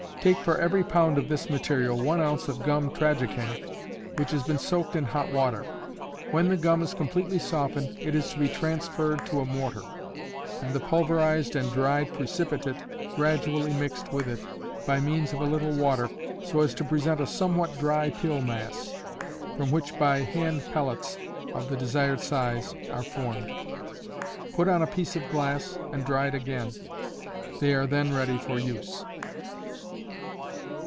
Take for every pound of this material one ounce of gum tragacanth which has been soaked in hot water. When the gum is completely softened it is to be transferred to a mortar, and the pulverized and dried precipitate gradually mixed with it by means of a little water, so as to present a somewhat dry pill mass, from which by hand pellets of the desired size are formed, put on a piece of glass, and dried again; they are then ready for use.